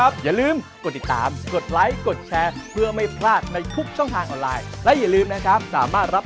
สวัสดีครับ